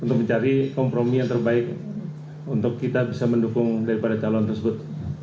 untuk mencari kompromi yang terbaik untuk kita bisa mendukung daripada calon tersebut